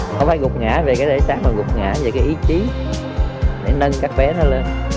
không phải gục ngã về cái lễ sáng mà gục ngã về cái ý trí để nâng các bé nó lên